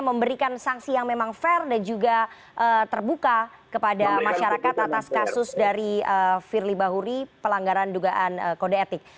memberikan sanksi yang memang fair dan juga terbuka kepada masyarakat atas kasus dari firly bahuri pelanggaran dugaan kode etik